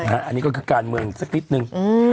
อันนี้ก็คือการเมืองสักนิดนึง